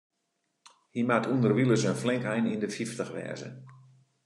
Hy moat ûnderwilens in flink ein yn de fyftich wêze.